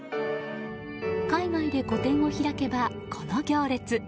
海外で個展を開けば、この行列。